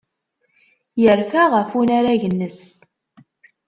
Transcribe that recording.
Yerfa ɣef unarag-nnes.